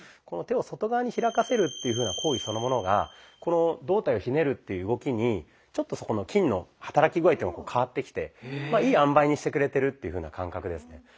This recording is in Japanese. この手を外側に開かせるっていうふうな行為そのものがこの胴体をひねるっていう動きにちょっとそこの筋の働き具合というのが変わってきてまあいいあんばいにしてくれてるっていうふうな感覚ですね。